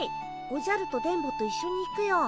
おじゃると電ボと一緒に行くよ。